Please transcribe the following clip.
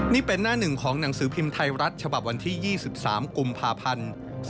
นี่เป็นหน้าหนึ่งของหนังสือพิมพ์ไทยรัฐฉบับวันที่๒๓กุมภาพันธ์๒๕๖